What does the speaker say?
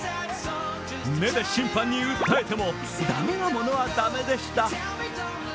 目で審判に訴えても駄目なものは駄目でした。